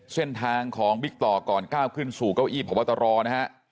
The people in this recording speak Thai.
เส้นทางของบิคตอร์ก่อนก้าวขึ้นสู่เก้าอีบของวัตรรอร์